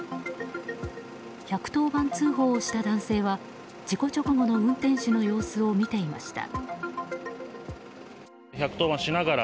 １１０番通報をした男性は事故直後の運転手の様子を見ていました。